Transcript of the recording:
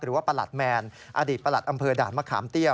ประหลัดแมนอดีตประหลัดอำเภอด่านมะขามเตี้ย